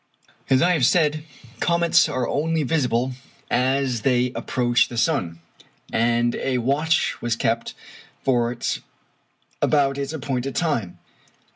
As I have said, comets are only visible as they approach the sun, and a watch was kept for it about its appointed time.